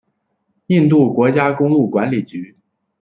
印度国家公路管理局。